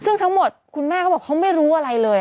ซึ่งทั้งหมดคุณแม่เขาบอกเขาไม่รู้อะไรเลย